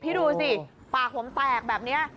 พี่ดูสิปากผมแตกแบบนี้